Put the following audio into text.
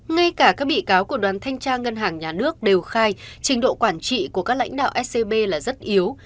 ngay cả các bị cáo của đoàn thanh tra ngân hàng nhà nước đều khai trình độ quản trị của các lãnh đạo scb là rất yếu